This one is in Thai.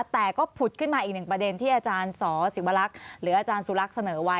แต่ก็ผุดขึ้นมาอีกหนึ่งประเด็นที่อาจารย์สศิวรักษ์หรืออาจารย์สุรักษ์เสนอไว้